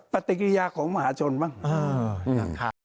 ปฏิกิริยาของมหาชนบ้าง